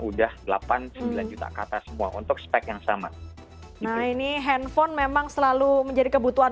udah delapan sembilan juta kata semua untuk spek yang sama ini handphone memang selalu menjadi kebutuhan